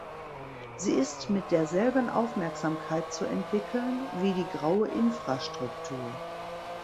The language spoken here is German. Sie ist mit derselben Aufmerksamkeit zu entwickeln wie die graue Infrastruktur.